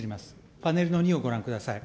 パネルの２をご覧ください。